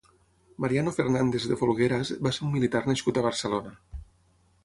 Mariano Fernández de Folgueras va ser un militar nascut a Barcelona.